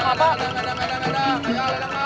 kamu udah makan